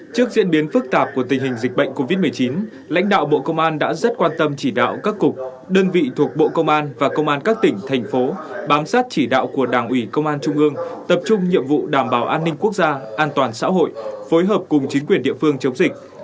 trước diễn biến phức tạp của tình hình dịch bệnh covid một mươi chín lãnh đạo bộ công an đã rất quan tâm chỉ đạo các cục đơn vị thuộc bộ công an và công an các tỉnh thành phố bám sát chỉ đạo của đảng ủy công an trung ương tập trung nhiệm vụ đảm bảo an ninh quốc gia an toàn xã hội phối hợp cùng chính quyền địa phương chống dịch